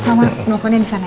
mama telepon dia disana ya